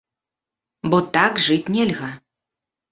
Бо так жыць нельга.